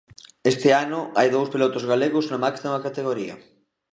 Este ano hai dous pilotos galegos na máxima categoría.